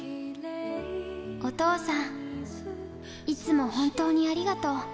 お父さん、いつも本当にありがとう。